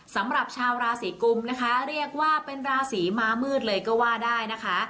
สำหรับชาวราศีกุมนะคะเรียกว่าเป็นราศีม้ามืดเลยก็ว่าได้นะคะ